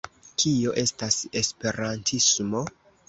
Kio estas esperantismo?